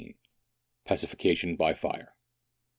PACIFICATION BY FIRE.